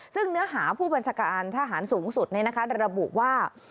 ซึ่งเนื้อหาผู้บัญชาการทหารสูงสุดระบุว่า